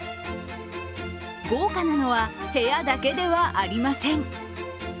豪華なのは部屋だけではありません。